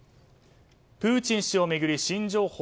プーチン氏を巡り新情報。